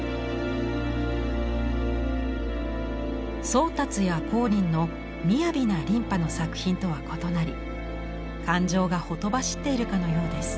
宗達や光琳の雅な琳派の作品とは異なり感情がほとばしっているかのようです。